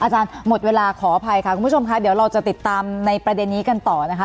หมดเวลาขออภัยค่ะคุณผู้ชมค่ะเดี๋ยวเราจะติดตามในประเด็นนี้กันต่อนะคะ